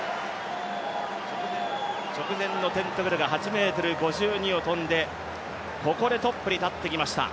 直前のテントグルが８ｍ５２を跳んでここでトップに立ってきました。